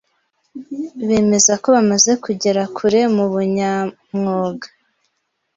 bemeza ko bamaze kugera kure mu bunyamwuga